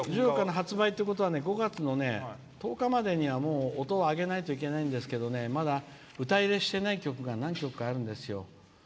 発売っていうことは５月の１０日までには音をあげないといけないんですけどまだ、歌入れしてない曲が何曲かあるんですよ。